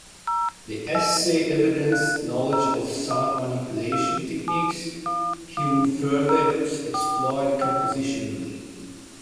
The essay evidenced knowledge of sound manipulation techniques he would further exploit compositionally.